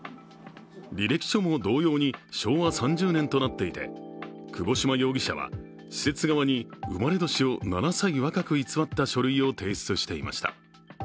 履歴書も同様に昭和３０年となっていて窪島容疑者は施設側に生まれ年を７歳若く偽った書類を提出していました。